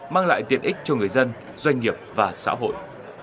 mang lại tiện ích cho người dân doanh nghiệp và xã hội